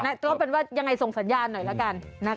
ออกต่อไปว่ายังไงส่งสัญญาณหน่อยละกันนะคะ